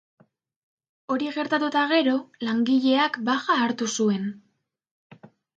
Hori gertatu eta gero, langileak baja hartu zuen.